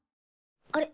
あれ？